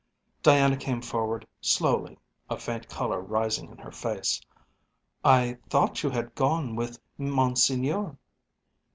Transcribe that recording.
Diana came forward slowly, a faint colour rising in her face. "I thought you had gone with Monseigneur."